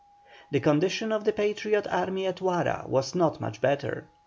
The condition of the Patriot army at Huara was not much better.